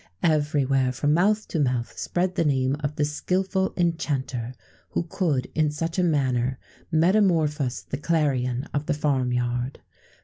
Everywhere, from mouth to mouth, spread the name of the skilful enchanter, who could in such a manner metamorphose the clarion of the farm yard.